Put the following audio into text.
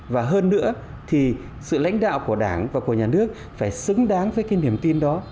và hơn nữa thì sự lãnh đạo của đảng và của nhà nước phải xứng đáng với cái niềm tin đó